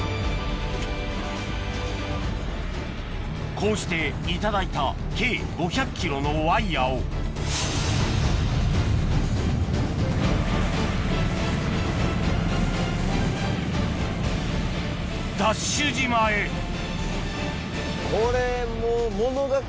こうして頂いた計５００ｋｇのワイヤをＤＡＳＨ島へこれもう。